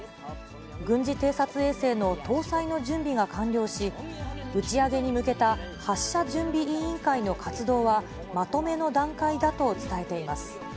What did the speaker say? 軍事偵察衛星の搭載の準備が完了し、打ち上げに向けた発射準備委員会の活動は、まとめの段階だと伝えています。